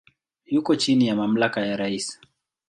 Yuko chini ya mamlaka ya rais.